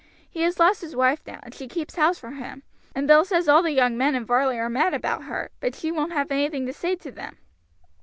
He has lost his wife now, and she keeps house for him, and Bill says all the young men in Varley are mad about her, but she won't have anything to say to them."